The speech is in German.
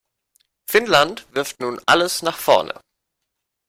Finnland wirft nun alles nach vorne.